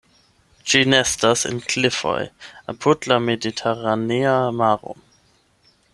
Ĝi nestas en klifoj apud la mediteranea maro.